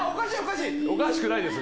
おかしくないです。